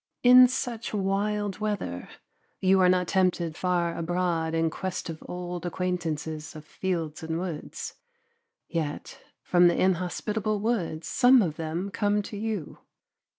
In such wild weather you are not tempted far abroad in quest of old acquaintances of fields and woods, yet from the inhospitable woods some of them come to you.